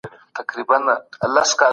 هغه دروغ چي په مینه کي وي خوندور دي.